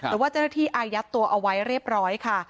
แต่ว่าเจ้าหน้าที่อายัดตัวเอาไว้เรียบร้อยค่ะ